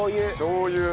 しょう油。